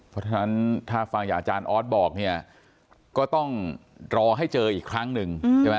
เพราะฉะนั้นถ้าฟังอย่างอาจารย์ออสบอกเนี่ยก็ต้องรอให้เจออีกครั้งหนึ่งใช่ไหม